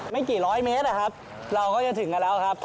ไม่กี่ร้อยเมตรนะครับเราก็จะถึงกันแล้วครับ